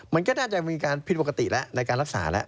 มันก็น่าจะมีการผิดปกติแล้วในการรักษาแล้ว